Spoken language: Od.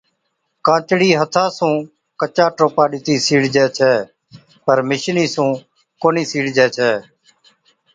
ڪانچڙِي ھٿا سُون ڪچا ٽوپا ڏِتِي سِيڙجَي ڇَي، پر مشِيني سُون ڪونھِي سِيڙجي ڇَي